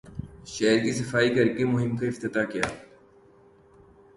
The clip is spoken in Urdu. شہر کی صفائی کر کے مہم کا افتتاح کیا